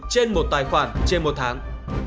trên một tài khoản trên một tháng